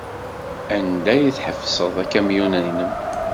Anda ay tḥebbsed akamyun-nnem?